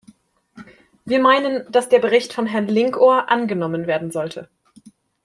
Wir meinen, dass der Bericht von Herrn Linkohr angenommen werden sollte.